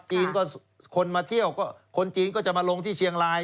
คนมาเที่ยวคนจีนก็จะมาลงที่เชียงราย